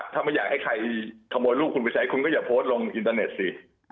ถ้าไม่อยากให้ใครขโมยลูกคุณไปใช้คุณก็อย่าโพสต์ลงอินเตอร์เน็ตสิ